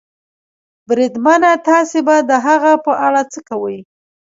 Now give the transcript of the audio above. بریدمنه، تاسې به د هغه په اړه څه کوئ؟